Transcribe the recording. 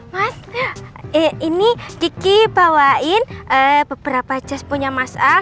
mas ini gigi bawain beberapa jas punya mas al